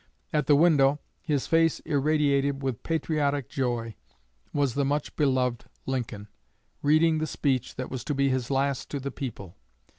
At the window, his face irradiated with patriotic joy, was the much beloved Lincoln, reading the speech that was to be his last to the people.